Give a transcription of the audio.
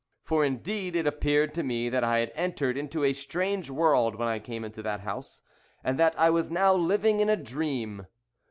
For, indeed, it appeared to me that I had entered into a strange world when I came into that house, and that I was now living in a dream.